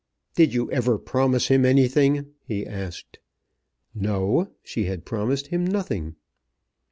"Did you ever promise him anything?" he asked. No; she had promised him nothing.